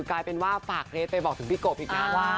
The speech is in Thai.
กลายเป็นว่าฝากเฮดไปบอกถึงพี่โกพย์อีกหน้า